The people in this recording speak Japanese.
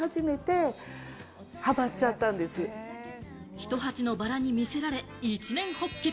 ひと鉢のバラに魅せられ、一念発起。